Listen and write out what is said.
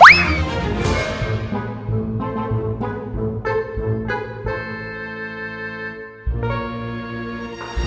terima kasih pak